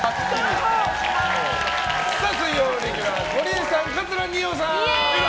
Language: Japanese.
水曜レギュラーゴリエさん、桂二葉さん。